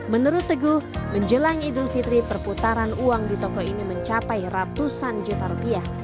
menurut teguh menjelang idul fitri perputaran uang di toko ini mencapai ratusan juta rupiah